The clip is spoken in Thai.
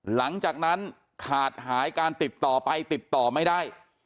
หลังจากนั้นขาดหายการติดต่อไปติดต่อไม่ได้